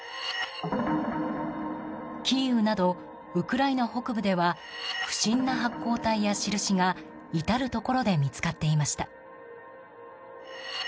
キーウなどウクライナ北部では不審な発光体や印が至るところで見つかっていました。